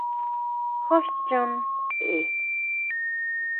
¿Jú chon ntʼe?